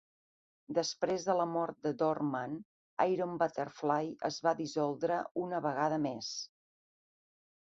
Després de la mort de Dorman, Iron Butterfly es va dissoldre una vegada més.